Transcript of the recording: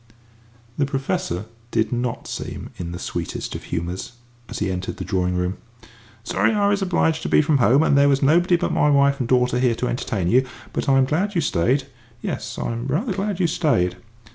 The Professor did not seem in the sweetest of humours as he entered the drawing room. "Sorry I was obliged to be from home, and there was nobody but my wife and daughter here to entertain you. But I am glad you stayed yes, I'm rather glad you stayed."